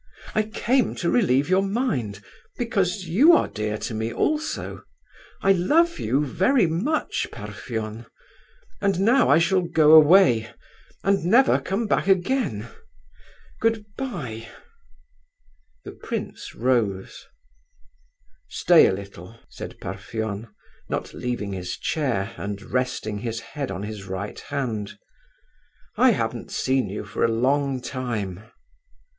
I came to relieve your mind, because you are dear to me also. I love you very much, Parfen; and now I shall go away and never come back again. Goodbye." The prince rose. "Stay a little," said Parfen, not leaving his chair and resting his head on his right hand. "I haven't seen you for a long time."